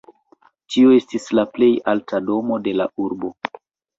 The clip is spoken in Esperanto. Tio estis la plej alta domo de la urbo.